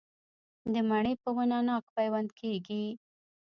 د مڼې په ونه ناک پیوند کیږي؟